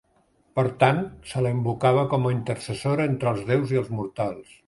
Per tant, se la invocava com a intercessora entre els déus i els mortals.